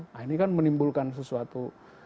nah ini kan menimbulkan sesuatu